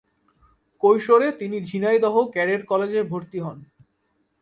কৈশোরে তিনি ঝিনাইদহ ক্যাডেট কলেজে ভর্তি হন।